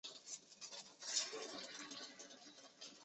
此技术本来是为射电天文学开发。